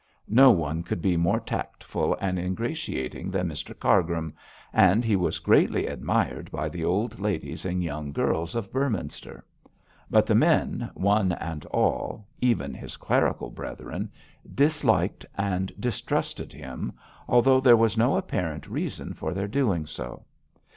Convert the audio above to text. No one could be more tactful and ingratiating than Mr Cargrim, and he was greatly admired by the old ladies and young girls of Beorminster; but the men, one and all even his clerical brethren disliked and distrusted him, although there was no apparent reason for their doing so.